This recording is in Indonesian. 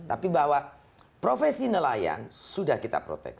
tapi bahwa profesi nelayan sudah kita proteksi